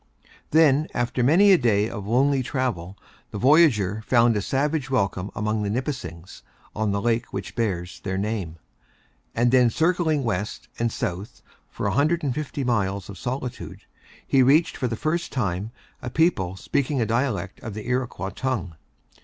Then, after many a day of lonely travel, the voyager found a savage welcome among the Nipissings, on the lake which bears their name; and then circling west and south for a hundred and fifty miles of solitude, he reached for the first time a people speaking a dialect of the Iroquois tongue.